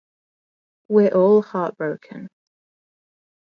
We're all heartbroken.